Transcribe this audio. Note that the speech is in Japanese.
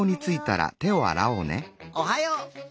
おはよう。